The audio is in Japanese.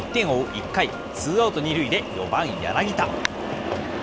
１回、ツーアウト２塁で４番柳田。